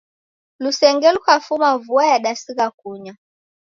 Lusenge lukafuma vua yadasigha kunya